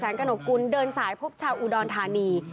กระหนกกุลเดินสายพบชาวอุดรธานี